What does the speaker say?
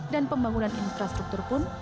dan pembangunan infrastruktur pun